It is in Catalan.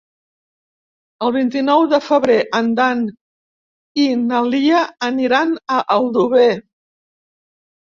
El vint-i-nou de febrer en Dan i na Lia aniran a Aldover.